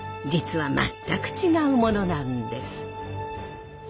実は全く違うものなんです。